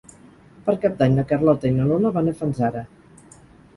Per Cap d'Any na Carlota i na Lola van a Fanzara.